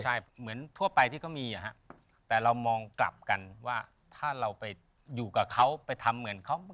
ใช่เหมือนทั่วไปที่เขามีแต่เรามองกลับกันว่าถ้าเราไปอยู่กับเขาไปทำเหมือนเขา